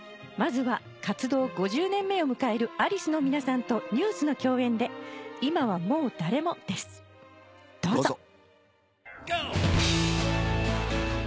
まずは活動５０年目を迎えるアリスの皆さんとＮＥＷＳの共演で『今はもうだれも』です。どうぞ。